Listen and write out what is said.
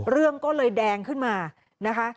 เรื่องก็เลยแดงขึ้นมานะคะ